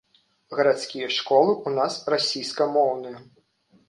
Гарадскія школы ў нас расійскамоўныя.